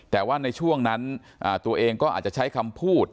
แต่ว่าในช่วงนั้นตัวเองก็อาจจะใช้คำพูด